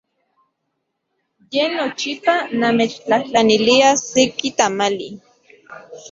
Ye nochipa namechtlajtlanilia seki tamali.